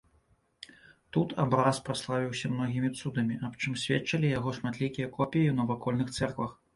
Тут абраз праславіўся многімі цудамі, аб чым сведчылі яго шматлікія копіі ў навакольных цэрквах.